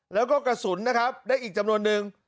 แล้วก็กระสุนนะครับได้อีกจำนวนนึง